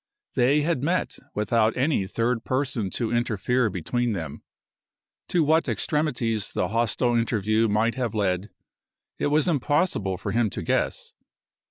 They had met without any third person to interfere between them. To what extremities the hostile interview might have led it was impossible for him to guess.